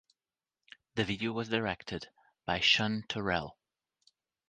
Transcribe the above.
The video was directed by Sean Turrell.